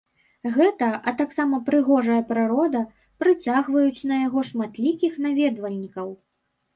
Гэта, а таксама прыгожая прырода, прыцягваюць на яго шматлікіх наведвальнікаў.